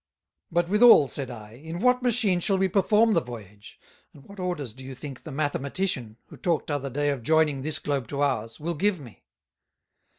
"But withal," said I, "in what Machine shall we perform the Voyage, and what Orders do you think the Mathematician, who talked t'other day of joyning this Globe to ours, will give me?"